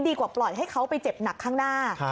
ปล่อยให้เขาไปเจ็บหนักข้างหน้า